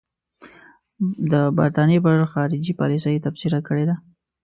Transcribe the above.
د برټانیې پر خارجي پالیسۍ تبصره کړې ده.